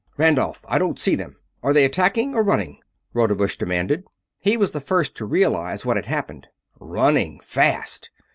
"Randolph! I don't see them! Are they attacking or running?" Rodebush demanded. He was the first to realize what had happened. "Running fast!"